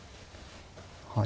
はい。